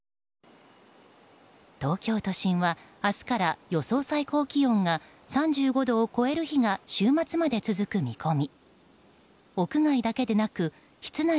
東京都心は明日から予想最高気温が３５度を超える日が週末まで続く見込み。